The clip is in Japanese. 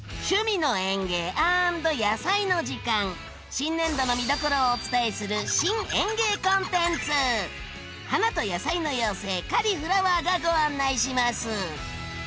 新年度の見どころをお伝えする花と野菜の妖精カリ・フラワーがご案内します！